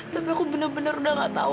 tapi aku bener bener udah gak tau